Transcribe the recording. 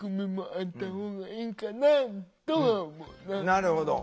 なるほど。